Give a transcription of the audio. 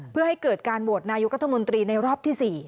เพื่อให้เกิดการโหวตนายกรัฐมนตรีในรอบที่๔